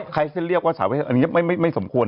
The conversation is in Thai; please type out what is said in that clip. ใครซึ่งเรียกว่าสาวประเภทนี้ไม่สาปวน